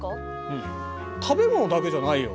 うん食べ物だけじゃないよ。